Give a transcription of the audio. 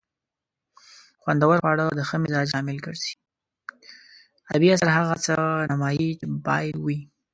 ادبي اثر هغه څه نمایي چې باید وي.